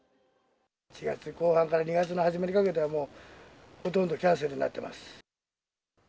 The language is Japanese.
１月の後半から２月の初めにかけてはもう、ほとんどキャンセルになってます。